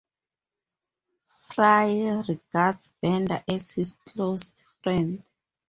Fry regards Bender as his closest friend.